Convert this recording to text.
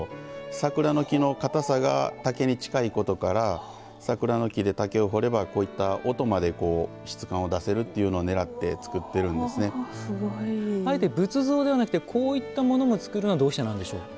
桜の木のかたさが竹に近いことから桜の木で竹を彫ればこういった音まで質感を出せるというのをねらってあえて仏像ではなくてこういったものも造るのはどうしてなんでしょうか。